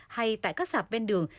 hay tại các xã bên đường